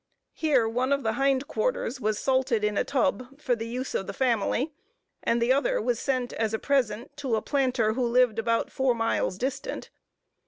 Here one of the hind quarters was salted in a tub, for the use of the family, and the other was sent, as a present, to a planter, who lived about four miles distant.